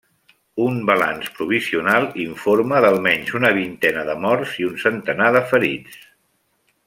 Un balanç provisional informa d'almenys una vintena de morts i un centenar de ferits.